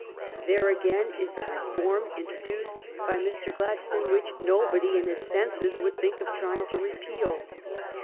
There again is a reform introduced by Mr. Glad stone which nobody in his senses would think of trying to repeal.